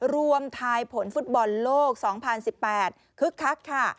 รวมทายผลฟุตบอลโลก๒๐๑๘คึกคัก